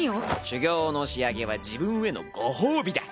修行の仕上げは自分へのご褒美だ！